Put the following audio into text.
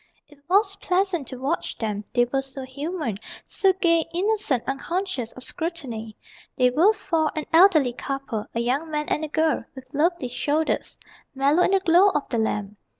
It was pleasant to watch them, they were so human; So gay, innocent, unconscious of scrutiny. They were four: an elderly couple, A young man, and a girl with lovely shoulders Mellow in the glow of the lamp.